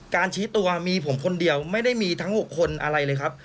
ชี้ตัวมีผมคนเดียวไม่ได้มีทั้ง๖คนอะไรเลยครับ